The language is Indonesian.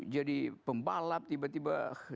jadi pembalap tiba tiba